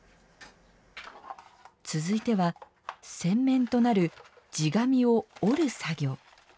つづいては扇面となる地紙を折る作業。